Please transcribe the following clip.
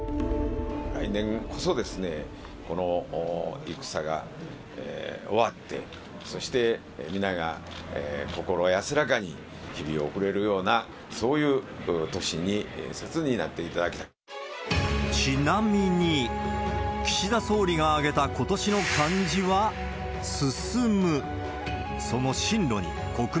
来年こそですね、この戦が終わって、そして皆が心安らかに日々を送れるような、そういう年にせつになちなみに、岸田総理が挙げた今年の漢字は、進。